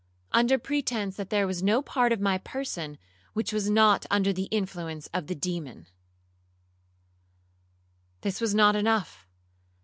—Under pretence that there was no part of my person which was not under the influence of the demon, 'This was not enough.